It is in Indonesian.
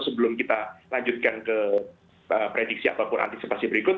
sebelum kita lanjutkan ke prediksi ataupun antisipasi berikut